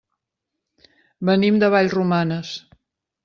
Venim de Vallromanes.